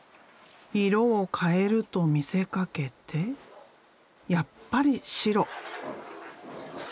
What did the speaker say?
色を変えると見せかけてやっぱり白。